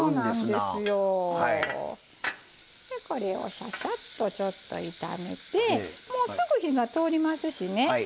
でこれをシャシャッとちょっと炒めてもうすぐ火が通りますしね